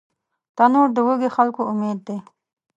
تنور د وږي خلکو امید دی